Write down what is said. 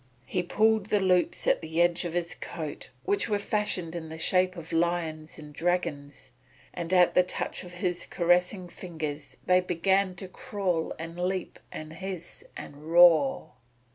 He pulled the loops at the edges of his coat which were fashioned in the shape of lions and dragons, and at the touch of his caressing fingers they began to crawl and leap and hiss and roar.